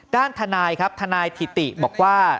ด้านทนายครับทนายถิติบอกว่า